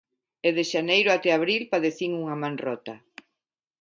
E de xaneiro até abril padecín unha man rota.